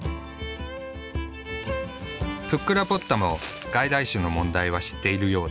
プックラポッタも外来種の問題は知っているようだ。